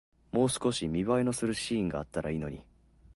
もう少し見栄えのするシーンがあったらいいのに